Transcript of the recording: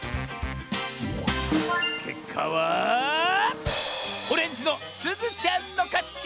けっかはオレンジのすずちゃんのかち！